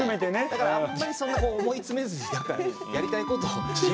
だからあんまりそんなこう思い詰めずにやりたいことを自由に。